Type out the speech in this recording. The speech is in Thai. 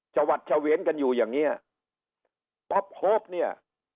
วัดเฉวียนกันอยู่อย่างเงี้ยป๊อปโฮปเนี่ย